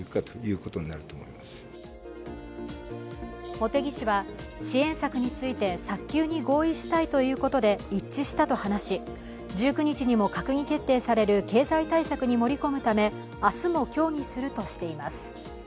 茂木氏は、支援策について早急に合意したいということで一致したと話し、１９日も閣議決定される経済対策に盛り込むため明日も協議するとしています。